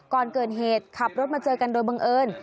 ก่อนเกิดเหตุขับรถมาเจอกันโดยบังเอิญ